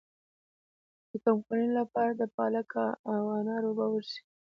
د کمخونۍ لپاره د پالک او انار اوبه وڅښئ